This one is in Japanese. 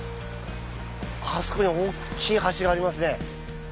あそこに大っきい橋がありますね。